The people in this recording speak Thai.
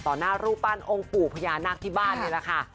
หน้ารูปปั้นองค์ปู่พญานาคที่บ้านนี่แหละค่ะ